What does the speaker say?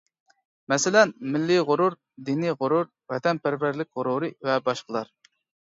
مەسىلەن، مىللىي غۇرۇر، دىنىي غۇرۇر، ۋەتەنپەرۋەرلىك غۇرۇرى ۋە باشقىلار.